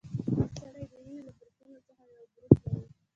هر سړی د وینې له ګروپونو څخه یو ګروپ لري.